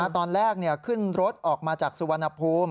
ตอนแรกขึ้นรถออกมาจากสุวรรณภูมิ